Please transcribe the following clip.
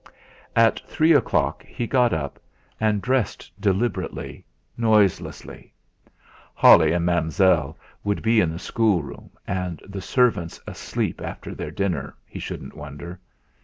At three o'clock he got up and dressed deliberately, noiselessly. Holly and Mam'zelle would be in the schoolroom, and the servants asleep after their dinner, he shouldn't wonder.